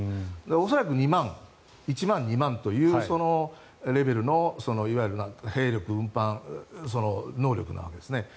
恐らく１万、２万というレベルのいわゆる兵力、能力なわけです。